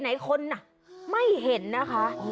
ในคนไม่เห็นนะคะ